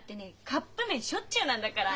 カップ麺しょっちゅうなんだから。